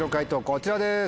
こちらです。